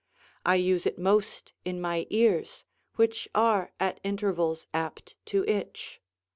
I use it most in my ears, which are at intervals apt to itch.